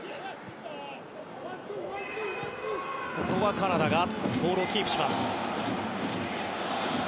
カナダボールをキープします。